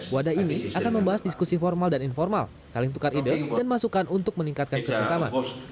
wadah ini akan membahas diskusi formal dan informal saling tukar ide dan masukan untuk meningkatkan kerjasama